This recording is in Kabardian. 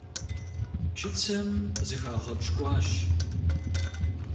Чыцэм зыхагъэпщкӀуащ.